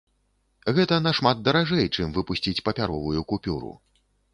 Гэта нашмат даражэй, чым выпусціць папяровую купюру.